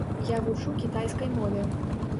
Я вучу кітайскай мове.